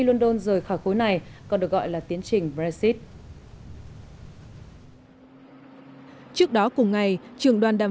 london rời khỏi khối này còn được gọi là tiến trình brexit trước đó cùng ngày trường đoàn đàm